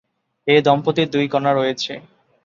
এ দম্পতির দুই কন্যা রয়েছে।